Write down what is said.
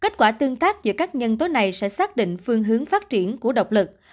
kết quả tương tác giữa các nhân tố này sẽ xác định phương hướng phát triển của độc lực